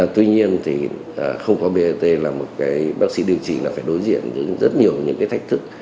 tuy nhiên không có bat là một bác sĩ điều trị phải đối diện với rất nhiều thách thức